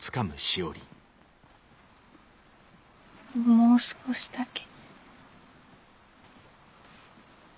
もう少しだけ。